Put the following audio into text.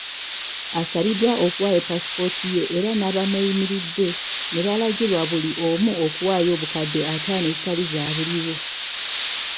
Asabiddwa okuwaayo paasipooti ye era n'abamweyimiridde ne balangirwa buli omu okuwaayo obukadde ataano ezitali zaabuliwo.